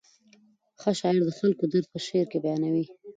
ښه شاعر د خلکو درد په شعر کې بیانوي.